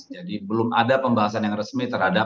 jadi belum ada pembahasan yang resmi terhadap